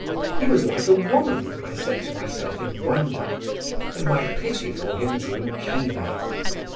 He was like a woman, I said to myself in wonder, and my pity for him grew keener.